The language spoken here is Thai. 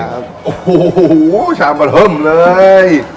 โอ้โฮฉามปะเทิมเลย